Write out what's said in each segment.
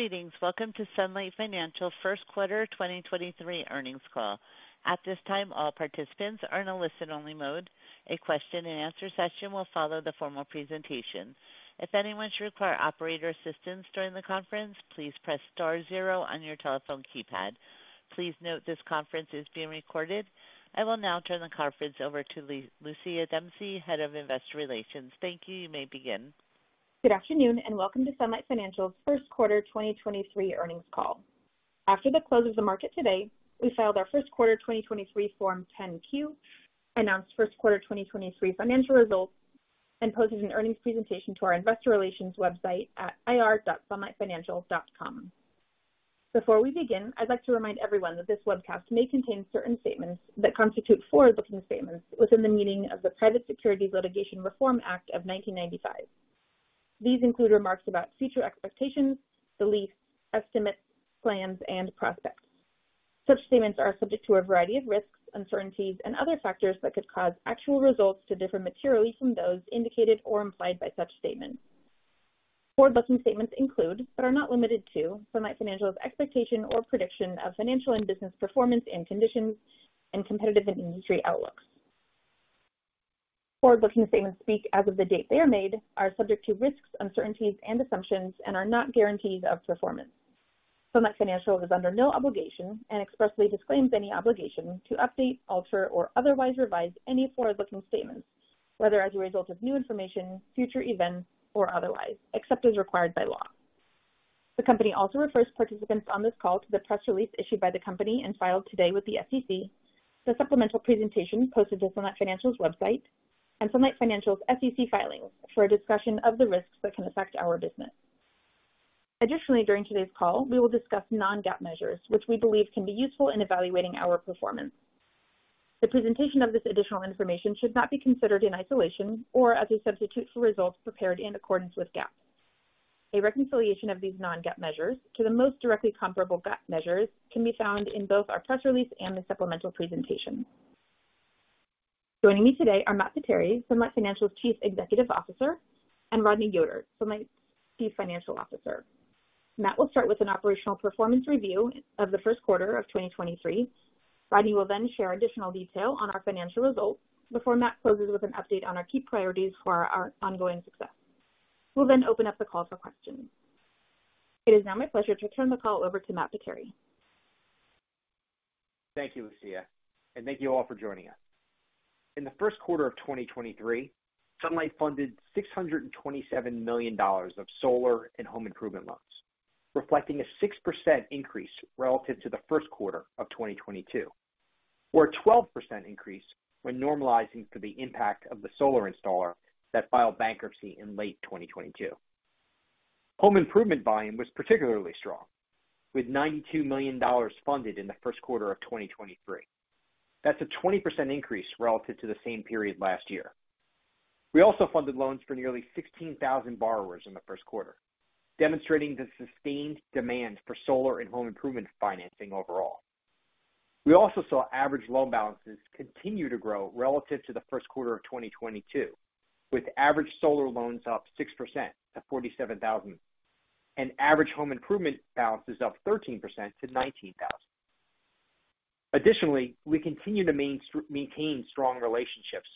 Greetings. Welcome to Sunlight Financial's First Quarter 2023 Earnings Call. At this time, all participants are in a listen-only mode. A question-and-answer session will follow the formal presentation. If anyone should require operator assistance during the conference, please press star zero on your telephone keypad. Please note this conference is being recorded. I will now turn the conference over to Lucia Dempsey, Head of Investor Relations. Thank you. You may begin. Good afternoon, welcome to Sunlight Financial's First Quarter 2023 Earnings Call. After the close of the market today, we filed our first quarter 2023 Form 10-Q, announced first quarter 2023 financial results, and posted an earnings presentation to our investor relations website at ir.sunlightfinancial.com. Before we begin, I'd like to remind everyone that this webcast may contain certain statements that constitute forward-looking statements within the meaning of the Private Securities Litigation Reform Act of 1995. These include remarks about future expectations, beliefs, estimates, plans, and prospects. Such statements are subject to a variety of risks, uncertainties and other factors that could cause actual results to differ materially from those indicated or implied by such statements. Forward-looking statements include, but are not limited to, Sunlight Financial's expectation or prediction of financial and business performance and conditions, and competitive and industry outlooks. Forward-looking statements speak as of the date they are made, are subject to risks, uncertainties and assumptions and are not guarantees of performance. Sunlight Financial is under no obligation and expressly disclaims any obligation to update, alter or otherwise revise any forward-looking statements, whether as a result of new information, future events or otherwise, except as required by law. The company also refers participants on this call to the press release issued by the company and filed today with the SEC, the supplemental presentation posted to Sunlight Financial's website and Sunlight Financial's SEC filings for a discussion of the risks that can affect our business. Additionally, during today's call, we will discuss non-GAAP measures, which we believe can be useful in evaluating our performance. The presentation of this additional information should not be considered in isolation or as a substitute for results prepared in accordance with GAAP. A reconciliation of these non-GAAP measures to the most directly comparable GAAP measures can be found in both our press release and the supplemental presentation. Joining me today are Matt Potere, Sunlight Financial's Chief Executive Officer, and Rodney Yoder, Sunlight's Chief Financial Officer. Matt will start with an operational performance review of the first quarter of 2023. Rodney will then share additional detail on our financial results before Matt closes with an update on our key priorities for our ongoing success. We'll open up the call for questions. It is now my pleasure to turn the call over to Matt Potere. Thank you, Lucia, and thank you all for joining us. In the first quarter of 2023, Sunlight funded $627 million of solar and home improvement loans, reflecting a 6% increase relative to the first quarter of 2022, or a 12% increase when normalizing for the impact of the solar installer that filed bankruptcy in late 2022. Home improvement volume was particularly strong, with $92 million funded in the first quarter of 2023. That's a 20% increase relative to the same period last year. We also funded loans for nearly 16,000 borrowers in the first quarter, demonstrating the sustained demand for solar and home improvement financing overall. We also saw average loan balances continue to grow relative to the first quarter of 2022, with average solar loans up 6% to $47,000 and average home improvement balances up 13% to $19,000. Additionally, we continue to maintain strong relationships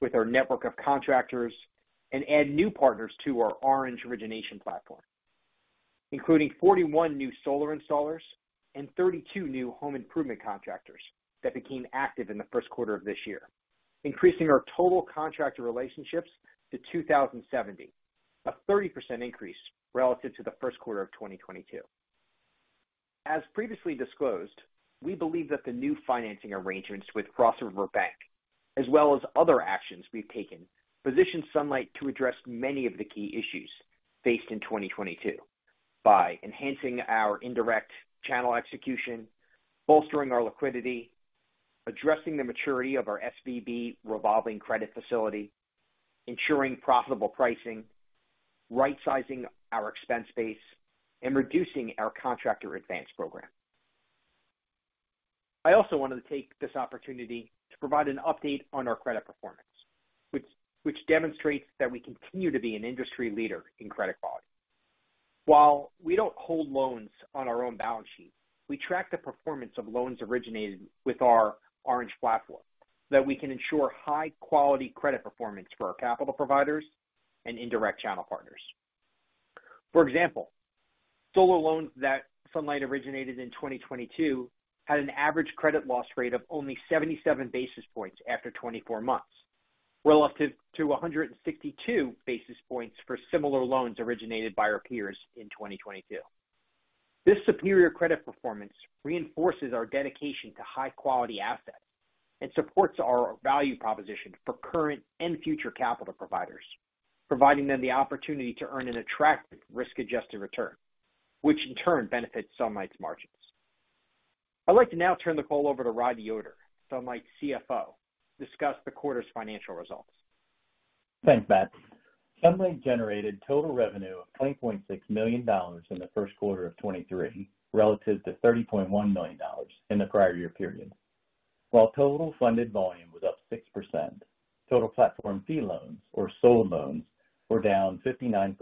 with our network of contractors and add new partners to our Orange origination platform, including 41 new solar installers and 32 new home improvement contractors that became active in the first quarter of this year, increasing our total contractor relationships to 2,070, a 30% increase relative to the first quarter of 2022. As previously disclosed, we believe that the new financing arrangements with Cross River Bank, as well as other actions we've taken, position Sunlight to address many of the key issues faced in 2022 by enhancing our indirect channel execution, bolstering our liquidity, addressing the maturity of our SVB revolving credit facility, ensuring profitable pricing, rightsizing our expense base, and reducing our Contractor Advance program. I also wanted to take this opportunity to provide an update on our credit performance, which demonstrates that we continue to be an industry leader in credit quality. While we don't hold loans on our own balance sheet, we track the performance of loans originated with our Orange platform, that we can ensure high-quality credit performance for our capital providers and indirect channel partners. For example, solar loans that Sunlight originated in 2022 had an average credit loss rate of only 77 basis points after 24 months, relative to 162 basis points for similar loans originated by our peers in 2022. This superior credit performance reinforces our dedication to high-quality assets and supports our value proposition for current and future capital providers, providing them the opportunity to earn an attractive risk-adjusted return, which in turn benefits Sunlight's margins. I'd like to now turn the call over to Rodney Yoder, Sunlight's CFO, to discuss the quarter's financial results. Thanks, Matt. Sunlight generated total revenue of $20.6 million in the first quarter of 2023, relative to $30.1 million in the prior year period. While total funded volume was up 6%, total platform fee loans or solar loans were down 59%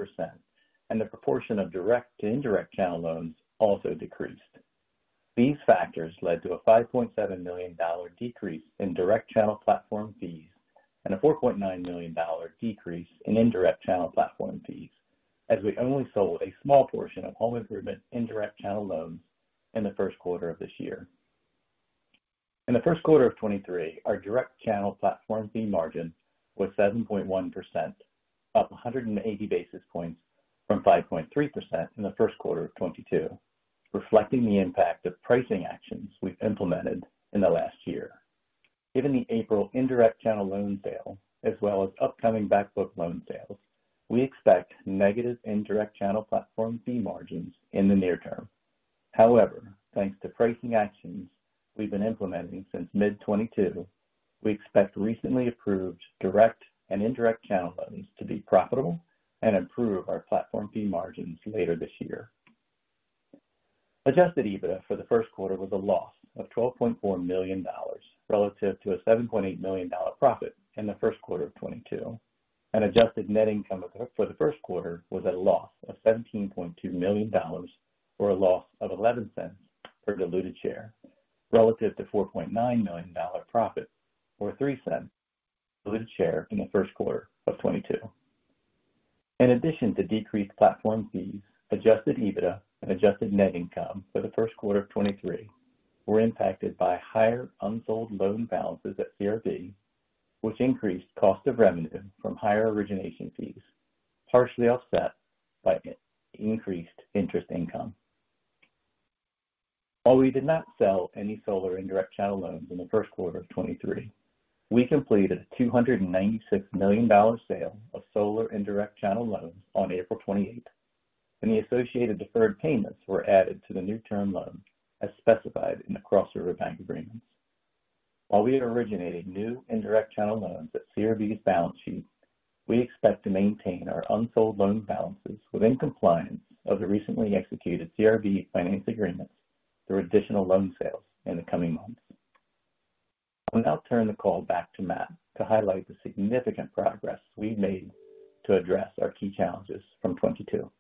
and the proportion of direct to indirect channel loans also decreased. These factors led to a $5.7 million decrease in direct channel platform fees and a $4.9 million decrease in indirect channel platform fees, as we only sold a small portion of home improvement indirect channel loans in the first quarter of this year. In the first quarter of 2023, our direct channel platform fee margin was 7.1%, up 180 basis points from 5.3% in the first quarter of 2022, reflecting the impact of pricing actions we've implemented in the last year. Given the April indirect channel loan sale as well as upcoming back book loan sales, we expect negative indirect channel platform fee margins in the near term. However, thanks to pricing actions we've been implementing since mid-2022, we expect recently approved direct and indirect channel loans to be profitable and improve our platform fee margins later this year. Adjusted EBITDA for the first quarter was a loss of $12.4 million relative to a $7.8 million profit in the first quarter of 2022. Adjusted net income for the first quarter was a loss of $17.2 million, or a loss of $0.11 per diluted share, relative to $4.9 million profit, or $0.03 diluted share in the first quarter of 2022. In addition to decreased platform fees, adjusted EBITDA and adjusted net income for the first quarter of 2023 were impacted by higher unsold loan balances at CRB, which increased cost of revenue from higher origination fees, partially offset by increased interest income. We did not sell any solar indirect channel loans in the first quarter of 2023, we completed a $296 million sale of solar indirect channel loans on April 28, and the associated deferred payments were added to the new term loan as specified in the Cross River Bank agreements. We originated new indirect channel loans at CRB's balance sheet, we expect to maintain our unsold loan balances within compliance of the recently executed CRB finance agreement through additional loan sales in the coming months. I'll now turn the call back to Matt to highlight the significant progress we've made to address our key challenges from 2022.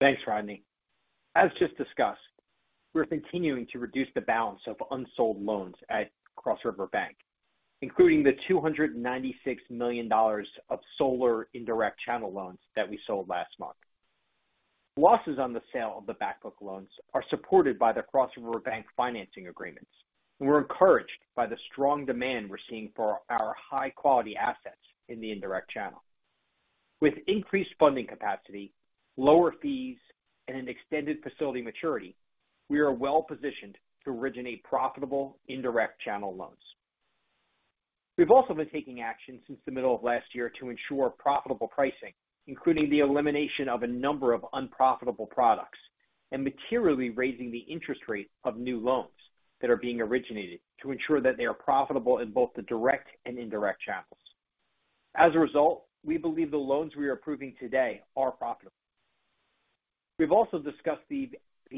Thanks, Rodney. As just discussed, we're continuing to reduce the balance of unsold loans at Cross River Bank, including the $296 million of solar indirect channel loans that we sold last month. Losses on the sale of the back book loans are supported by the Cross River Bank financing agreements. We're encouraged by the strong demand we're seeing for our high-quality assets in the indirect channel. With increased funding capacity, lower fees, and an extended facility maturity, we are well-positioned to originate profitable indirect channel loans. We've also been taking action since the middle of last year to ensure profitable pricing, including the elimination of a number of unprofitable products and materially raising the interest rate of new loans that are being originated to ensure that they are profitable in both the direct and indirect channels. As a result, we believe the loans we are approving today are profitable. We've also discussed the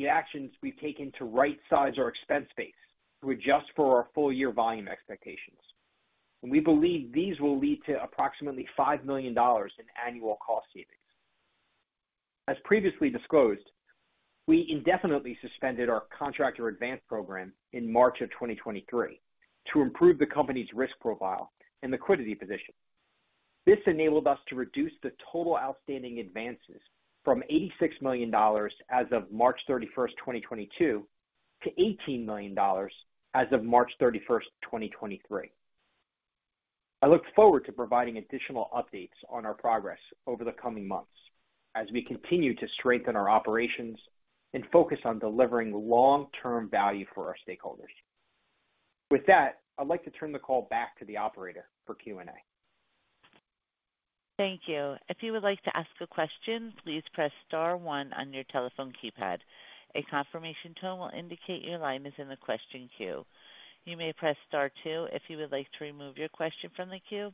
actions we've taken to right-size our expense base to adjust for our full-year volume expectations. We believe these will lead to approximately $5 million in annual cost savings. As previously disclosed, we indefinitely suspended our Contractor Advance program in March 2023 to improve the company's risk profile and liquidity position. This enabled us to reduce the total outstanding advances from $86 million as of March 31st, 2022, to $18 million as of March 31st, 2023. I look forward to providing additional updates on our progress over the coming months as we continue to strengthen our operations and focus on delivering long-term value for our stakeholders. With that, I'd like to turn the call back to the operator for Q&A. Thank you. If you would like to ask a question, please press star one on your telephone keypad. A confirmation tone will indicate your line is in the question queue. You may press star two if you would like to remove your question from the queue.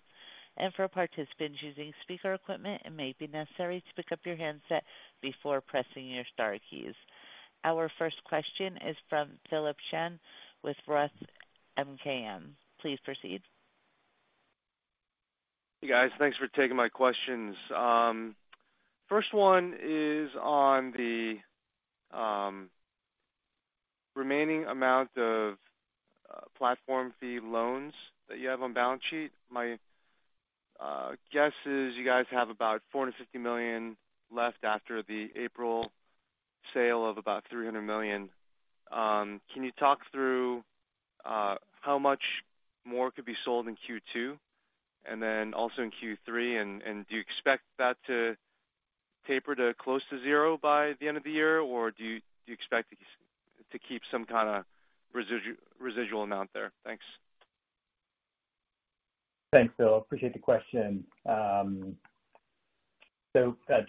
For participants using speaker equipment, it may be necessary to pick up your handset before pressing your star keys. Our first question is from Philip Shen with Roth MKM. Please proceed. Hey, guys. Thanks for taking my questions. First one is on the remaining amount of platform fee loans that you have on balance sheet. My guess is you guys have about $450 million left after the April sale of about $300 million. Can you talk through how much more could be sold in Q2 and then also in Q3? Do you expect that to taper to close to zero by the end of the year? Or do you expect to keep some kinda residual amount there? Thanks. Thanks, Phil. Appreciate the question. To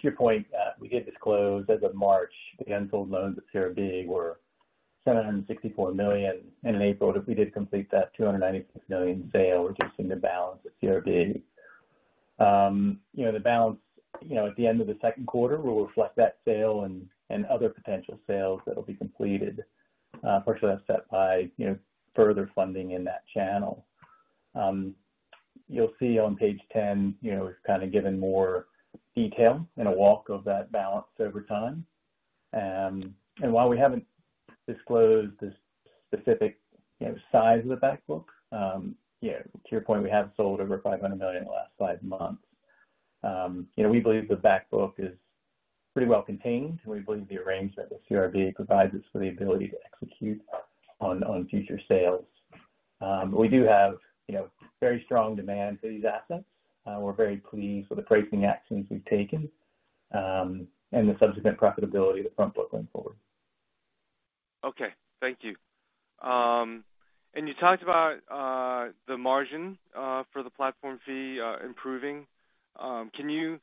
your point, we did disclose as of March, the unsold loans at CRB were $764 million. In April, as we did complete that $296 million sale, reducing the balance at CRB, you know, the balance, at the end of the second quarter will reflect that sale and other potential sales that'll be completed, partially offset by, you know, further funding in that channel. You'll see on page 10, you know, we've kind of given more detail and a walk of that balance over time. While we haven't disclosed the specific, you know, size of the back book, you know, to your point, we have sold over $500 million in the last five months. you know, we believe the back book is pretty well contained, and we believe the arrangement with CRB provides us for the ability to execute on future sales. We do have, you know, very strong demand for these assets. We're very pleased with the pricing actions we've taken, and the subsequent profitability of the front book going forward. Okay. Thank you. You talked about the margin for the platform fee improving. Can you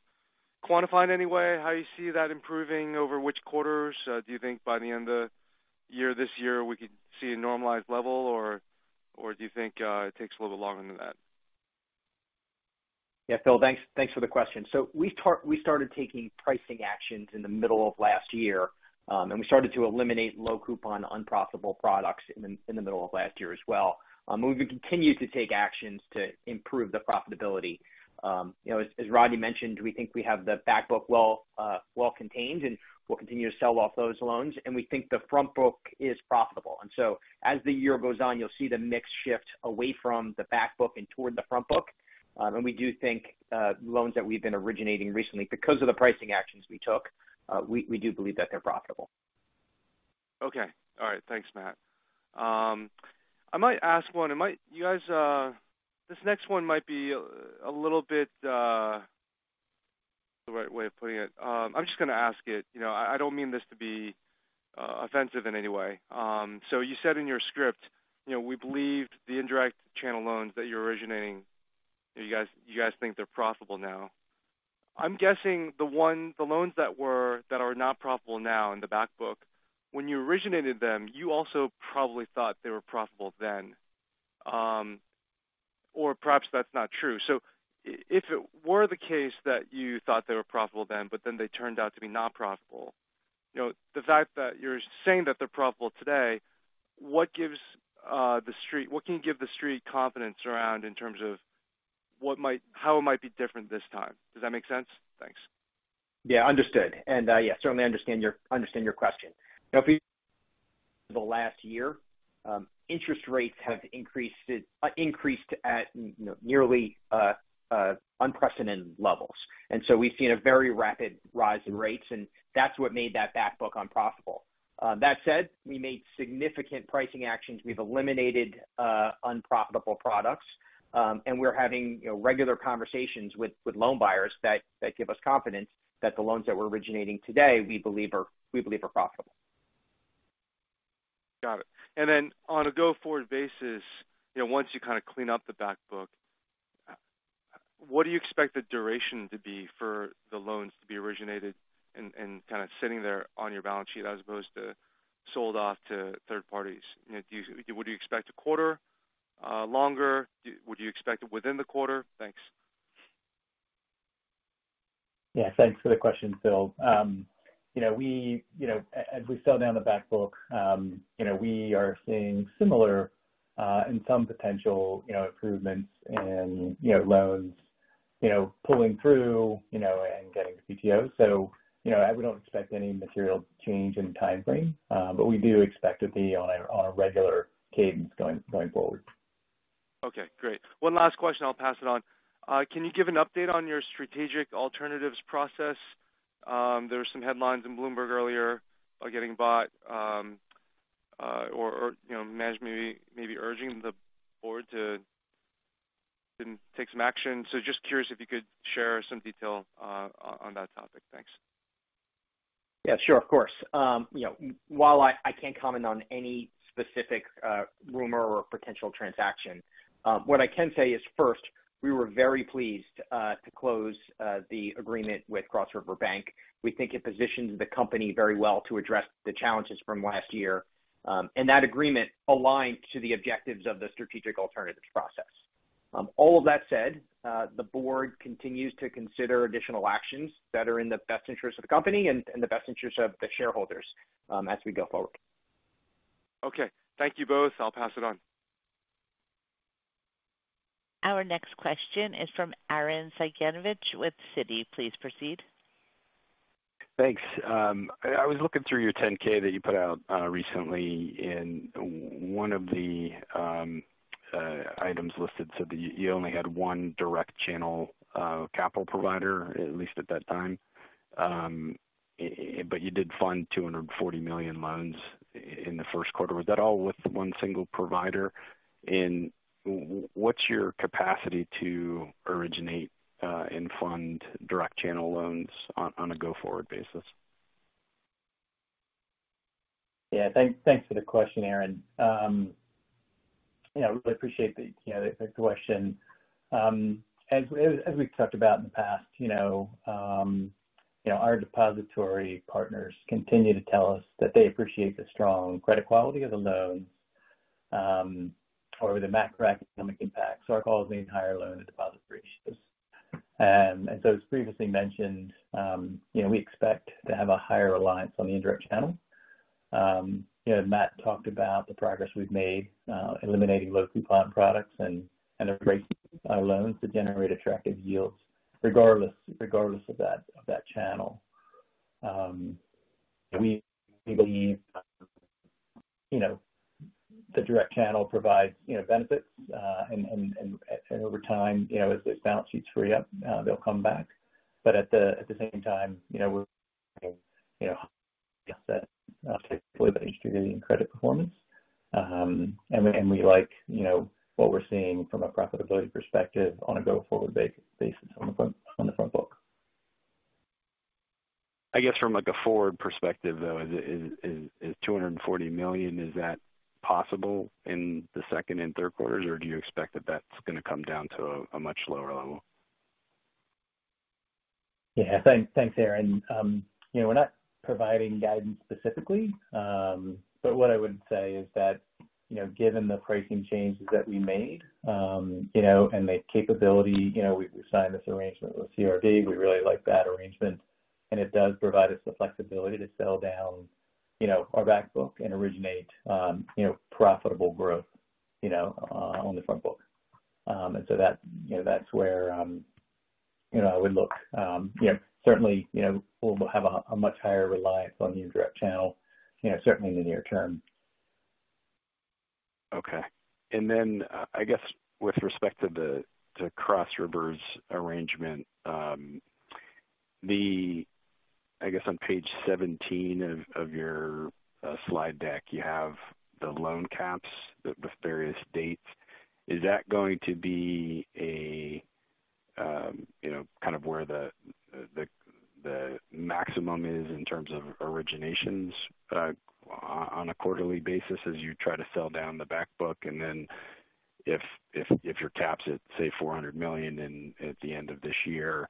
quantify it any way, how you see that improving over which quarters? Do you think by the end of year this year we could see a normalized level, or do you think it takes a little bit longer than that? Yeah. Phil, thanks for the question. We started taking pricing actions in the middle of last year, and we started to eliminate low coupon unprofitable products in the middle of last year as well. We've continued to take actions to improve the profitability. You know, as Rodney mentioned, we think we have the back book well contained, and we'll continue to sell off those loans. We think the front book is profitable. As the year goes on, you'll see the mix shift away from the back book and toward the front book. We do think, loans that we've been originating recently, because of the pricing actions we took, we do believe that they're profitable. Okay. All right. Thanks, Matt. I might ask one. You guys, this next one might be a little bit the right way of putting it. I'm just gonna ask it, you know. I don't mean this to be offensive in any way. You said in your script, you know, we believed the indirect channel loans that you're originating, you guys think they're profitable now. I'm guessing the loans that are not profitable now in the back book, when you originated them, you also probably thought they were profitable then. Or perhaps that's not true. If it were the case that you thought they were profitable then, but then they turned out to be not profitable, you know, the fact that you're saying that they're profitable today, what can you give the street confidence around in terms of how it might be different this time? Does that make sense? Thanks. Yeah. Understood. Yeah, certainly understand your question. Now, for the last year, interest rates have increased it, increased at, you know, nearly unprecedented levels. We've seen a very rapid rise in rates, and that's what made that back book unprofitable. That said, we made significant pricing actions. We've eliminated unprofitable products. We're having, you know, regular conversations with loan buyers that give us confidence that the loans that we're originating today, we believe are profitable. Got it. Then on a go-forward basis, you know, once you kinda clean up the back book, what do you expect the duration to be for the loans to be originated and kinda sitting there on your balance sheet as opposed to sold off to third parties? You know, would you expect a quarter longer? Would you expect it within the quarter? Thanks. Yeah. Thanks for the question, Phil. You know, we as we sell down the back book, you know, we are seeing similar, in some potential, you know, improvements in loans pulling through and getting to PTO. We don't expect any material change in timeframe, but we do expect it be on a regular cadence going forward. Okay. Great. One last question, I'll pass it on. Can you give an update on your strategic alternatives process? There were some headlines in Bloomberg earlier, getting bought, or, you know, management may be urging the board to then take some action. Just curious if you could share some detail on that topic. Thanks. Yeah, sure. Of course. You know, while I can't comment on any specific rumor or potential transaction, what I can say is, first, we were very pleased to close the agreement with Cross River Bank. We think it positions the company very well to address the challenges from last year. That agreement aligned to the objectives of the strategic alternatives process. All of that said, the board continues to consider additional actions that are in the best interest of the company and the best interest of the shareholders, as we go forward. Okay. Thank you both. I'll pass it on. Our next question is from Arren Cyganovich with Citi. Please proceed. Thanks. I was looking through your 10-K that you put out recently, and one of the items listed said that you only had one direct channel capital provider, at least at that time. But you did fund $240 million loans in the first quarter. Was that all with one single provider? What's your capacity to originate and fund direct channel loans on a go-forward basis? Yeah. Thanks for the question, Arren. You know, really appreciate the, you know, the question. As we've talked about in the past, you know, our depository partners continue to tell us that they appreciate the strong credit quality of the loans. Or the macroeconomic impact. Our call is the entire loan to deposit ratios. As previously mentioned, you know, we expect to have a higher reliance on the indirect channel. You know, Matt talked about the progress we've made, eliminating low coupon products and increasing our loans to generate attractive yields regardless of that channel. We believe, you know, the direct channel provides, you know, benefits. Over time, you know, as those balance sheets free up, they'll come back. At the same time, you know, we're, you know, asset credit performance. We like, you know, what we're seeing from a profitability perspective on a go-forward basis on the front book. I guess from, like, a forward perspective, though, is $240 million, is that possible in the second and third quarters, or do you expect that that's gonna come down to a much lower level? Yeah. Thanks, thanks, Aaron. You know, we're not providing guidance specifically. What I would say is that, you know, given the pricing changes that we made, you know, and the capability, you know, we signed this arrangement with CRB. We really like that arrangement, and it does provide us the flexibility to sell down, you know, our back book and originate, you know, profitable growth, you know, on the front book. That's, you know, that's where, you know, I would look. You know, certainly, you know, we'll have a much higher reliance on the indirect channel, you know, certainly in the near term. Okay. I guess with respect to the Cross River's arrangement, I guess on page 17 of your slide deck, you have the loan caps with various dates. Is that going to be, you know, kind of where the maximum is in terms of originations, on a quarterly basis as you try to sell down the back book? If your cap's at, say, $400 million at the end of this year,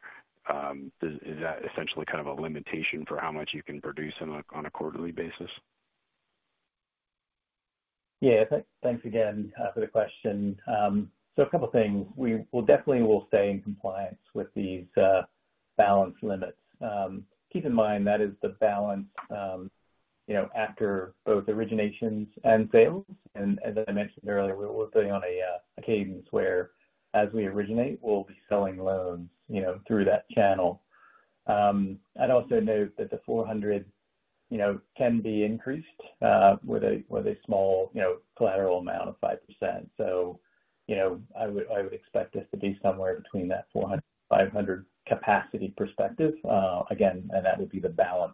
is that essentially kind of a limitation for how much you can produce on a quarterly basis? Yeah. Thanks again for the question. A couple things. We'll definitely will stay in compliance with these balance limits. Keep in mind, that is the balance, you know, after both originations and sales. As I mentioned earlier, we're putting on a cadence where as we originate, we'll be selling loans, you know, through that channel. I'd also note that the $400, you know, can be increased with a small, you know, collateral amount of 5%. I would expect us to be somewhere between that $400-$500 capacity perspective. Again, that would be the balance,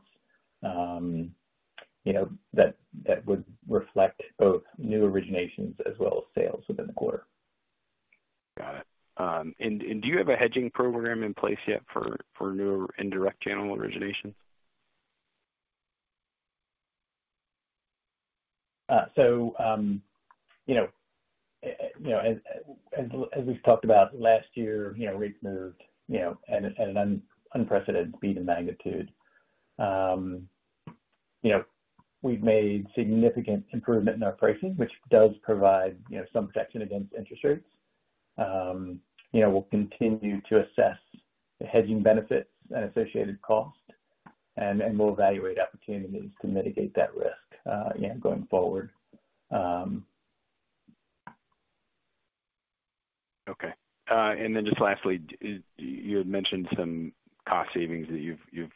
you know, that would reflect both new originations as well as sales within the quarter. Got it. Do you have a hedging program in place yet for new or indirect channel originations? You know, you know, as we've talked about last year, you know, rates moved, you know, at an unprecedented speed and magnitude. You know, we've made significant improvement in our pricing, which does provide, you know, some protection against interest rates. You know, we'll continue to assess the hedging benefits and associated cost, and we'll evaluate opportunities to mitigate that risk, you know, going forward. Just lastly, you had mentioned some cost savings that you've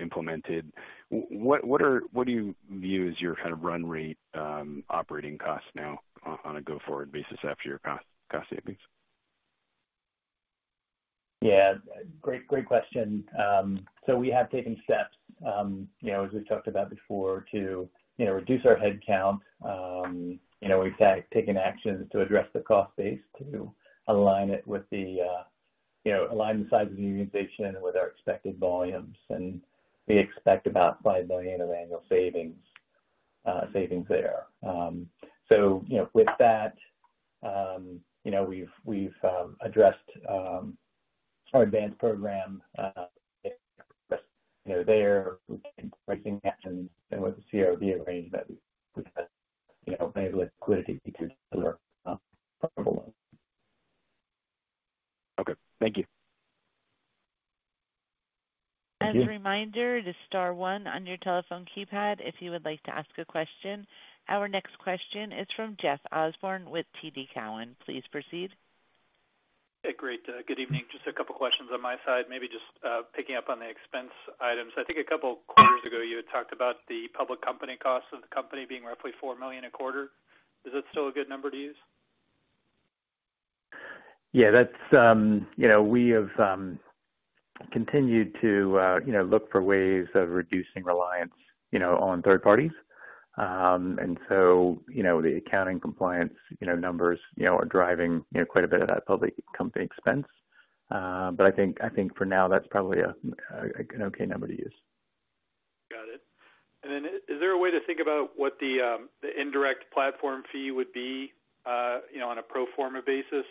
implemented. What do you view as your kind of run rate, operating costs now on a go-forward basis after your cost savings? Yeah. Great, great question. We have taken steps, you know, as we've talked about before, to, you know, reduce our head count. You know, we've taken actions to address the cost base to align it with the, you know, align the size of the organization with our expected volumes, and we expect about $5 million of annual savings there. With that, you know, we've addressed our advanced program, you know, there. We've taken pricing actions and with the CRB arrangement, we've had, you know, enabled liquidity features for profitable loans. Okay. Thank you. As a reminder to star one on your telephone keypad if you would like to ask a question. Our next question is from Jeff Osborne with TD Cowen. Please proceed. Great. Good evening. Just a couple questions on my side. Maybe just picking up on the expense items. I think a couple quarters ago you had talked about the public company costs of the company being roughly $4 million a quarter. Is that still a good number to use? Yeah, that's. You know, we have, continued to, you know, look for ways of reducing reliance, you know, on third parties. The accounting compliance, you know, numbers, you know, are driving, you know, quite a bit of that public company expense. I think for now, that's probably an okay number to use. Got it. Is there a way to think about what the indirect platform fee would be, you know, on a pro forma basis?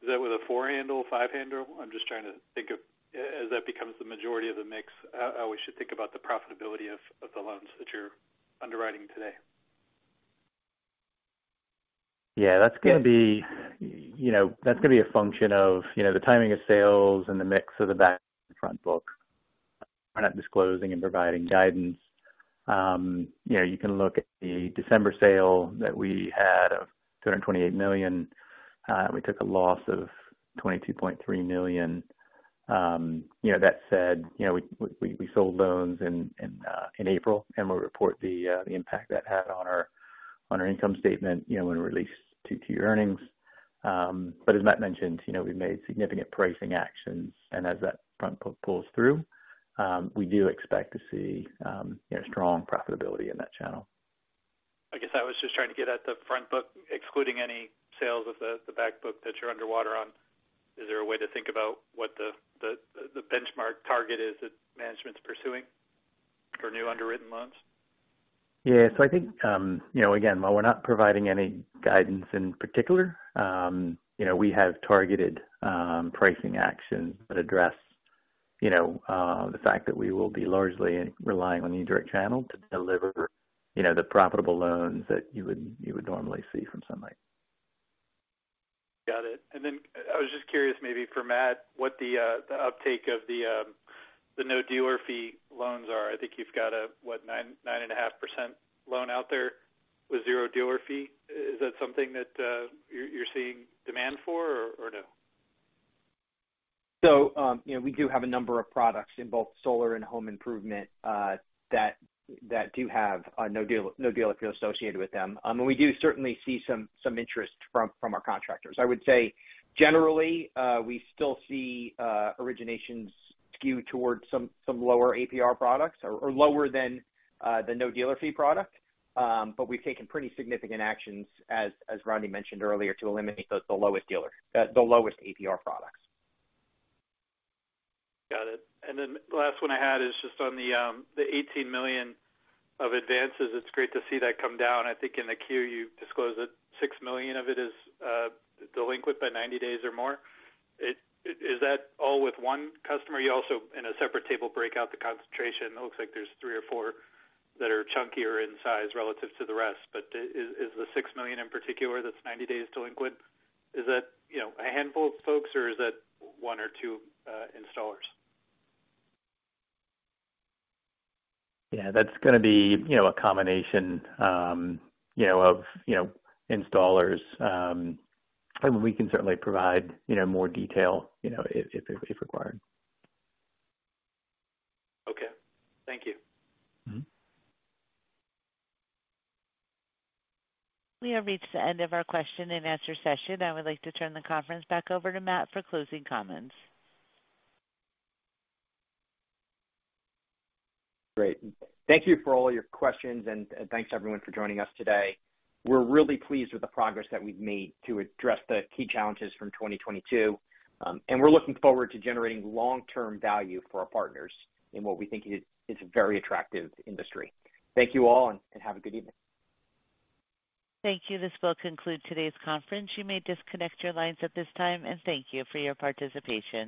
Is that with a four-handle, five-handle? I'm just trying to think as that becomes the majority of the mix, how we should think about the profitability of the loans that you're underwriting today. Yeah. That's gonna be, you know, that's gonna be a function of, you know, the timing of sales and the mix of the back-front book. We're not disclosing and providing guidance. You know, you can look at the December sale that we had of $328 million. We took a loss of $22.3 million. You know, that said, you know, we sold loans in April, and we'll report the impact that had on our income statement, you know, when we release 2Q earnings. As Matt mentioned, you know, we've made significant pricing actions. As that front book pulls through, we do expect to see, you know, strong profitability in that channel. I guess I was just trying to get at the front book, excluding any sales of the back book that you're underwater on. Is there a way to think about what the benchmark target is that management's pursuing for new underwritten loans? Yeah. I think, you know, again, while we're not providing any guidance in particular, you know, we have targeted pricing actions that address, you know, the fact that we will be largely relying on the indirect channel to deliver, you know, the profitable loans that you would normally see from Sunlight. Got it. Then I was just curious maybe for Matt, what the uptake of the no-dealer-fee loans are. I think you've got a, what, 9.5% loan out there with zero dealer fee. Is that something that you're seeing demand for or no? You know, we do have a number of products in both solar and home improvement, that do have a no deal, no-dealer fee associated with them. We do certainly see some interest from our contractors. I would say generally, we still see originations skew towards some lower APR products or lower than the no-dealer fee product. We've taken pretty significant actions, as Rodney mentioned earlier, to eliminate those, the lowest APR products. Got it. Last one I had is just on the $18 million of advances. It's great to see that come down. I think in the Q you disclosed that $6 million of it is delinquent by 90 days or more. Is that all with one customer? You also in a separate table break out the concentration. It looks like there's three or four that are chunkier in size relative to the rest. Is the $6 million in particular that's 90 days delinquent, is that, you know, a handful of folks, or is that one or two installers? Yeah, that's gonna be, you know, a combination, you know, of, you know, installers. We can certainly provide, you know, more detail, you know, if, if required. Okay. Thank you. We have reached the end of our question-and-answer session. I would like to turn the conference back over to Matt for closing comments. Great. Thank you for all your questions, and thanks, everyone, for joining us today. We're really pleased with the progress that we've made to address the key challenges from 2022. We're looking forward to generating long-term value for our partners in what we think is a very attractive industry. Thank you all, and have a good evening. Thank you. This will conclude today's conference. You may disconnect your lines at this time, and thank you for your participation.